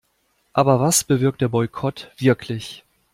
Aber was bewirkt der Boykott wirklich?